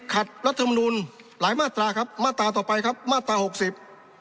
รัฐมนุนหลายมาตราครับมาตราต่อไปครับมาตราหกสิบ